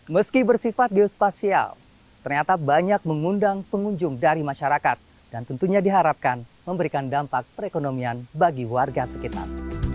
meski bersifat geospasial ternyata banyak mengundang pengunjung dari masyarakat dan tentunya diharapkan memberikan dampak perekonomian bagi warga sekitar